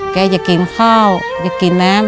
แกจะกินข้าวอย่ากินน้ำ